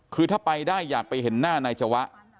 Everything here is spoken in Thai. คือถ้าไปได้อยากไปเห็นหน้านายจวะ